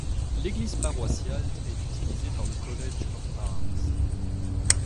L'église paroissiale de est utilisée par le College of Arms.